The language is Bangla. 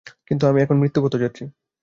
কিন্তু আমি এখন মৃত্যুপথযাত্রী।